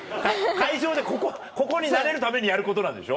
会場でここに慣れるためにやることなんでしょ。